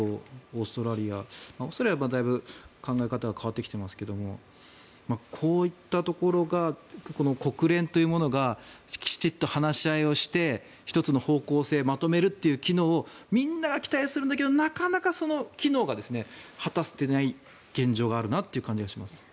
オーストラリアオーストラリアはだいぶ考え方は変わってきてますがこういったところが国連というものがきちんと話し合いをして１つの方向性にまとめるという機能をみんなが期待するんだけどなかなかその機能が果たせていない現状があるなという感じがします。